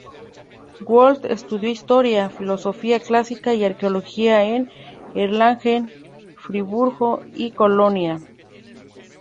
Wolff estudió Historia, Filología clásica y Arqueología en Erlangen, Friburgo y Colonia.